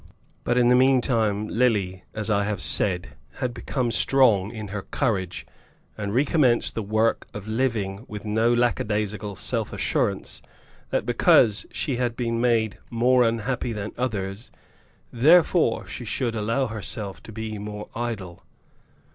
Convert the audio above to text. But in the meantime Lily, as I have said, had become strong in her courage, and recommenced the work of living with no lackadaisical self assurance that because she had been made more unhappy than others, therefore she should allow herself to be more idle.